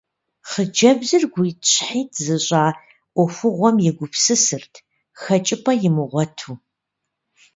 Хъыджэбзыр гуитӀщхьитӀ зыщӏа ӏуэхугъуэм егупсысырт, хэкӏыпӏэ имыгъуэту.